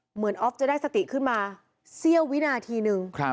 ออฟจะได้สติขึ้นมาเสี้ยววินาทีนึง